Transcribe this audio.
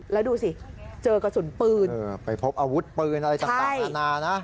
แล้วดูสิเจอกระสุนปืนไปพบอาวุธปืนอะไรต่างนานานะ